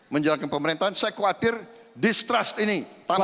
menjalankan pemerintahan saya khawatir distrust ini tambah